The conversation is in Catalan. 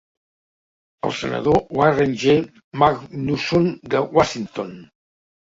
El senador Warren G. Magnuson de Washington.